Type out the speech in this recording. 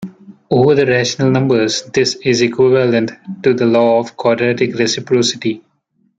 Over the rational numbers this is equivalent to the law of quadratic reciprocity.